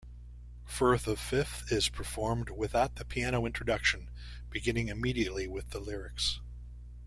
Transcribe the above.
"Firth of Fifth" is performed without the piano introduction, beginning immediately with the lyrics.